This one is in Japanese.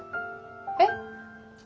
えっ？